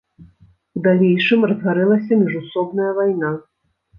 У далейшым разгарэлася міжусобная вайна.